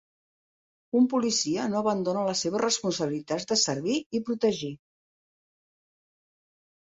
Un policia no abandona les seves responsabilitats de servir i protegir.